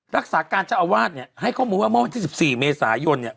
รักษาการเจ้าอาวาสเนี่ยให้ข้อมูลว่าเมื่อวันที่๑๔เมษายนเนี่ย